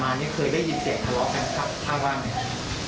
มานี่เคยได้ยินเสียงทะเลาะกับครับพ่อบ้านเนี่ย